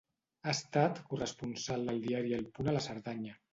Ha estat corresponsal del Diari el Punt a la Cerdanya.